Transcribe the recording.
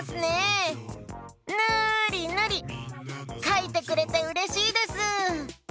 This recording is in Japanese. かいてくれてうれしいです！